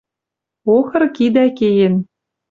Охыр кидӓ кеен